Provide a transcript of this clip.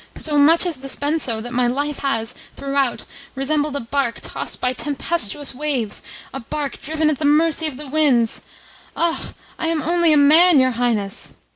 So much has this been so that my life has, throughout, resembled a barque tossed by tempestuous waves, a barque driven at the mercy of the winds. Ah, I am only a man, your Highness!"